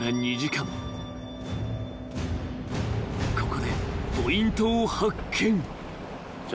［ここでポイントを発見］